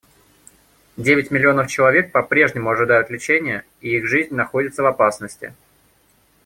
Девять миллионов человек попрежнему ожидают лечения, и их жизнь находится в опасности.